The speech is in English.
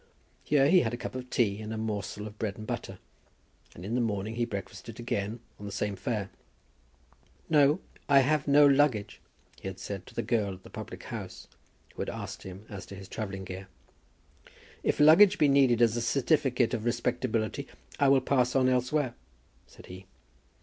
Here he had a cup of tea and a morsel of bread and butter, and in the morning he breakfasted again on the same fare. "No, I have no luggage," he had said to the girl at the public house, who had asked him as to his travelling gear. "If luggage be needed as a certificate of respectability, I will pass on elsewhere," said he.